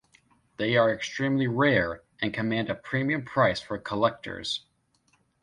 They are extremely rare and command a premium price for collectors.